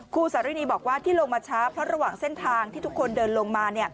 สารินีบอกว่าที่ลงมาช้าเพราะระหว่างเส้นทางที่ทุกคนเดินลงมา